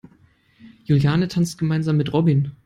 Juliane tanzt gemeinsam mit Robin.